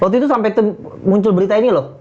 waktu itu sampai muncul berita ini loh